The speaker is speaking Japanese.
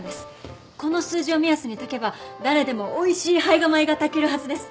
この数字を目安に炊けば誰でもおいしい胚芽米が炊けるはずです！